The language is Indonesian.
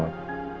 yang bukan tanpa